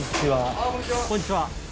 ああこんにちは。